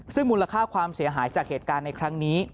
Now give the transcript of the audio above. ซึ่งมูลค่าความเสียหายจากเหตุการณ์ในครั้งนี้